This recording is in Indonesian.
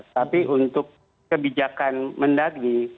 tapi untuk kebijakan mendagi